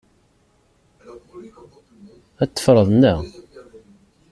Ad t-teffreḍ, naɣ?